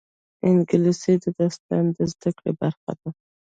انګلیسي د استاذانو د زده کړې برخه ده